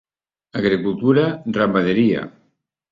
Agricultura, ramaderia.